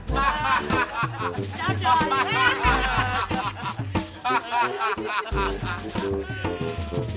mau sampe kapan pak haji